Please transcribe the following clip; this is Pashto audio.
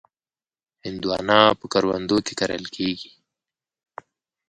هندوانه په کرونده کې کرل کېږي.